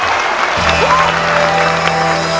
สู้หรือหยุดครับ